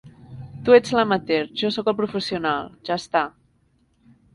Tu ets l'amateur, jo sóc el professional. Ja està.